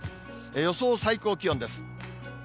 予想最高気温です。